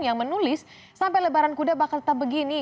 yang menulis sampai lebaran kuda bakal tetap begini